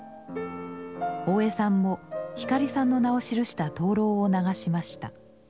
大江さんも光さんの名を記した灯籠を流しました。